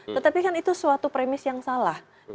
tetapi kan itu suatu premis yang salah